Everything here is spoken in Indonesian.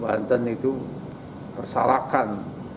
banten itu persalahkan